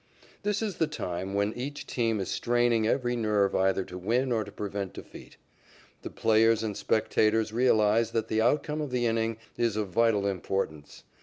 This is the time when each team is straining every nerve either to win or to prevent defeat. The players and spectators realize that the outcome of the inning is of vital importance.